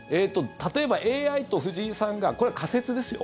例えば、ＡＩと藤井さんがこれ、仮説ですよ。